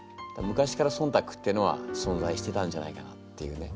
昔から「忖度」っていうのはそんざいしてたんじゃないかなっていうね。